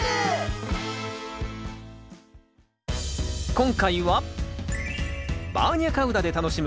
今回はバーニャカウダで楽しむ野菜。